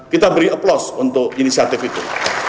kita beri aplaus untuk inisiatif itu